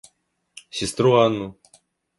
Сестру Анну.